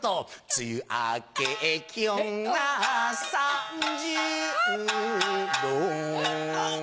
梅雨明け気温は ３０℃